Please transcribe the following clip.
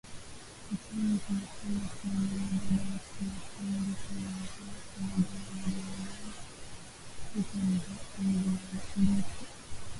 Kapunju nasema kuwa mara baada ya Wamatumbi kungoa pamba ya wajerumani huko Nandete